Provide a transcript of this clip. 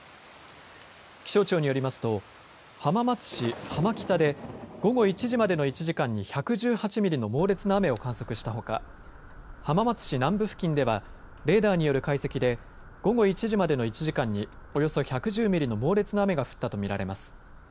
気象庁によりますと浜松市浜北で午後１時までの１時間に１１８ミリの猛烈な雨を観測したほか、浜松市南部付近ではレーダーによる解析で午後１時までの１時間におよそ１１０ミリの猛烈な雨が降ったと見られます。